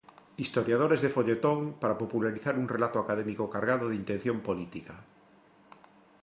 Historiadores de folletón para popularizar un relato académico cargado de intención política.